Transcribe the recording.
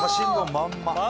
まんま！